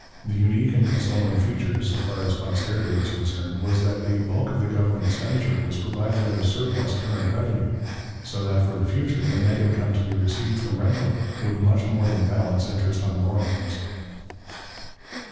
The unique and consoling feature, so far as posterity was concerned, was that the bulk of the government expenditure was provided out of surplus current revenue, so that for the future the net income to be received from rental would much more than balance interest on borrowings.